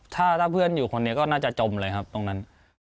ถ้าเพื่อนอยู่คนนี้ก็น่าจะจมเลยครับตรงนั้น